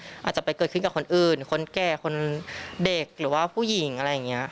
อาจจะไปเกิดขึ้นกับคนอื่นคนแก่คนเด็กหรือว่าผู้หญิงอะไรอย่างนี้